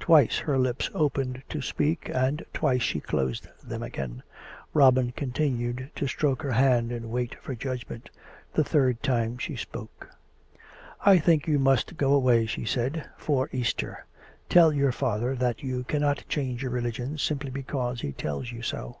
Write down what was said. Twice her lips opened to speak, and twice she closed them again. Robin con tinued to stroke her hand and wait for judgment. The third time she spoke. " I think you must go away," she said, " for Easter. Tell your father that you cannot change your religion simply because he tells you so.